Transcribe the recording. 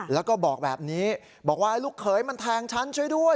แล้วก็บอกแบบนี้บอกว่าลูกเขยมันแทงฉันช่วยด้วย